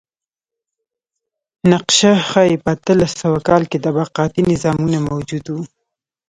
نقشه ښيي په اتلس سوه کال کې طبقاتي نظامونه موجود و.